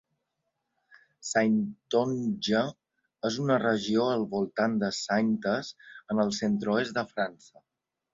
Saintonge és una regió al voltant de Saintes, en el centre-oest de França.